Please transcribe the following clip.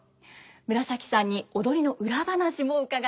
紫さんに踊りの裏話も伺います。